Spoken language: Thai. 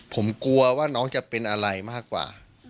ผมกลัวว่าน้องจะเป็นอะไรมากกว่า